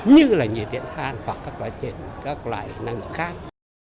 chứ là nhiệt điện than hoặc các loại năng lượng khác